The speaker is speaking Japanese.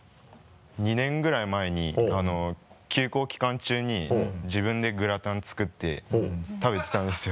２年ぐらい前に休校期間中に自分でグラタン作って食べてたんですよ。